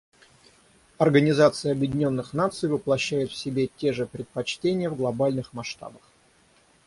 Организация Объединенных Наций воплощает в себе те же предпочтения в глобальных масштабах.